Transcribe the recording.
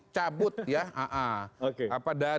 cabut ya aa